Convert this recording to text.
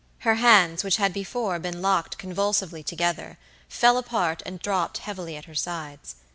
Her hands, which had before been locked convulsively together, fell apart and dropped heavily at her sides.